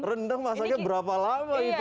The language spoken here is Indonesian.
rendang masaknya berapa lama itu